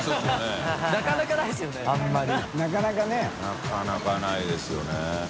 なかなかないですよね。